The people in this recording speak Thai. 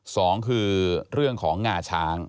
สองคือเรื่องของงาช้าง